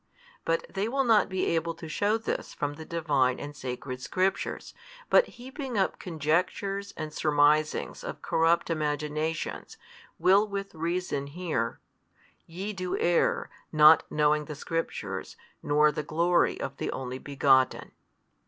But they will not be able to shew this from the Divine and sacred Scriptures, but heaping up conjectures and surmisings of corrupt imaginations, will with reason hear. Ye do err, not knowing the Scriptures, nor the glory of the Only Begotten.